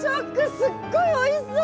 すっごいおいしそうな。